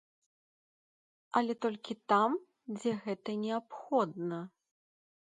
Але толькі там, дзе гэта неабходна.